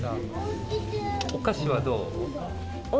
お菓子はどう？